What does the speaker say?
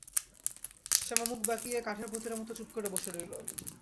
শ্যামা মুখ বাঁকিয়ে কাঠের পুতুলের মতো চুপ করে বসে রইল।